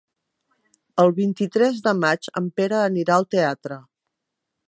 El vint-i-tres de maig en Pere anirà al teatre.